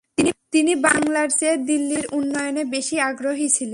তিনি বাংলার চেয়ে দিল্লির উন্নয়নে বেশি আগ্রহী ছিলেন।